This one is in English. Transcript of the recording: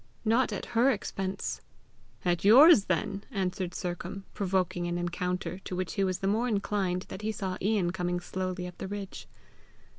"Not at her expense!" "At yours then!" answered Sercombe, provoking an encounter, to which he was the more inclined that he saw Ian coming slowly up the ridge.